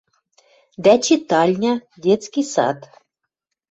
Дӓ читальня, детский сад.